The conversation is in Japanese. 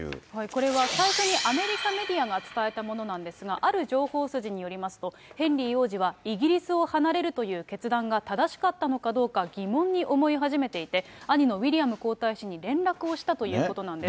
これは最初にアメリカメディアが伝えたものなんですが、ある情報筋によりますと、ヘンリー王子は、イギリスを離れるという決断が正しかったのかどうか、疑問に思い始めていて、兄のウィリアム皇太子に連絡をしたということなんです。